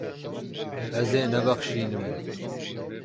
Ez ê nebexşînim.